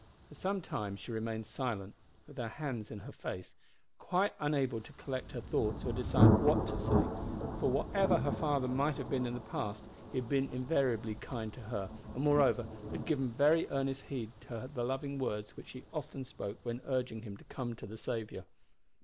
For some time she remained silent with her face in her hands, quite unable to collect her thoughts or decide what to say, for whatever her father might have been in the past he had been invariably kind to her, and, moreover, had given very earnest heed to the loving words which she often spoke when urging him to come to the Saviour.